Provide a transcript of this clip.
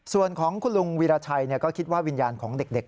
ส่วนของคุณลุงวีรชัยก็คิดว่าวิญญาณของเด็ก